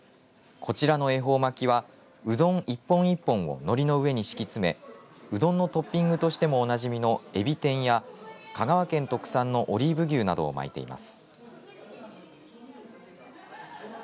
こちらの恵方巻きはうどん一本一本をのりの上に敷き詰めうどんのトッピングとしてもおなじみのえび天や香川県特産のオリーブ牛などを巻いています。